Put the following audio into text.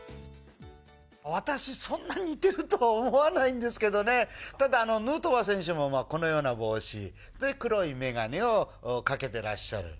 私、そんなに似てるとは思わないんですけどね、ただヌートバー選手もこのような帽子、で、黒い眼鏡をかけてらっしゃる。